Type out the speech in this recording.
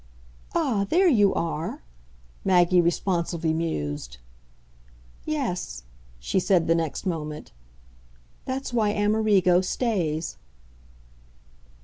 "Ah, there you are!" Maggie responsively mused. "Yes," she said the next moment, "that's why Amerigo stays."